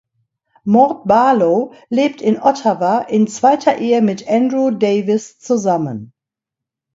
Maude Barlow lebt in Ottawa in zweiter Ehe mit Andrew Davis zusammen.